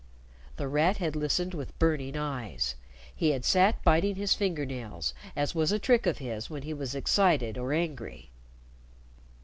The Rat had listened with burning eyes. He had sat biting his finger nails, as was a trick of his when he was excited or angry.